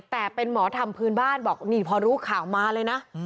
แต่เป็นหมอธรรมพื้นบ้านบอกนี่พอรู้ข่าวมาเลยนะ